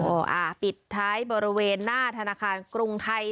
อ่าปิดท้ายบริเวณหน้าธนาคารกรุงไทย